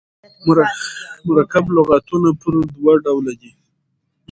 مرکب لغاتونه پر دوه ډوله دي.